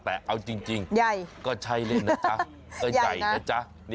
แต่เอาจริงก็ใช่เลยนะ